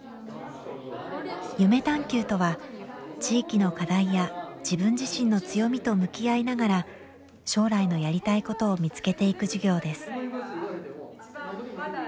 夢探究とは地域の課題や自分自身の強みと向き合いながら将来のやりたいことを見つけていく授業です。